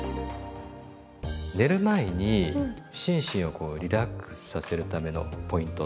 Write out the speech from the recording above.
寝る前に心身をこうリラックスさせるためのポイント。